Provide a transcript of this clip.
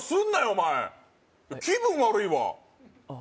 お前気分悪いわああ